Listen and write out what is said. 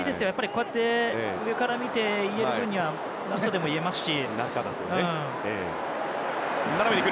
こうやって上から見て言っている分には何とでも言えますし。